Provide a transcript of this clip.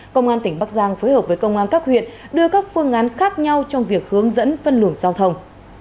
công an tỉnh bắc giang phối hợp với công an các huyện đưa các phương án khác nhau trong việc hướng dẫn phân luồng giao thông